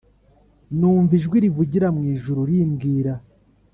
Numva ijwi rivugira mu ijuru rimbwira